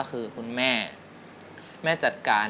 รายการต่อไปนี้เป็นรายการทั่วไปสามารถรับชมได้ทุกวัย